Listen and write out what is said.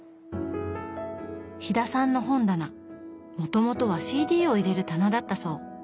飛田さんの本棚もともとはＣＤを入れる棚だったそう。